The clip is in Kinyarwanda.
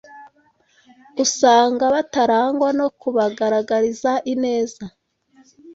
Usanga batarangwa no kubagaragariza ineza